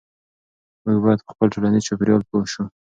موږ باید په خپل ټولنیز چاپیریال پوه سو.